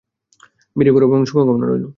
বেরিয়ে পড়ো এবং শুভকামনা রইলো।